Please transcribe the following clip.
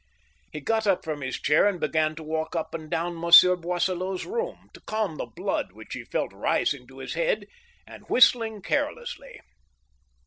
' He got up from his chair and began to walk up and down Mon sieur Boisselot's room, to calm the blood which he felt rising to his head,, and whistling carelessly.